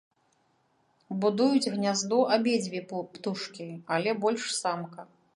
Будуюць гняздо абедзве птушкі, але больш самка.